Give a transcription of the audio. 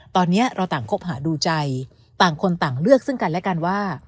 ตอนนี้เราต่างคบหาดูใจต่างคนต่างเลือกซึ่งกันและกันว่า